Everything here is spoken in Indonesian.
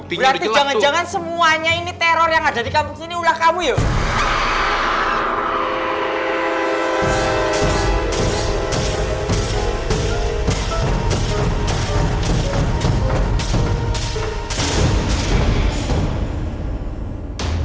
berarti jangan jangan semuanya ini teror yang ada di kampung sini ulah kamu ya